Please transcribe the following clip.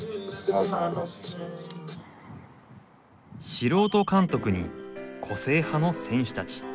素人監督に個性派の選手たち。